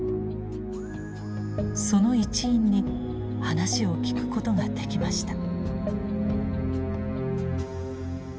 その一員に話を聞くことができました。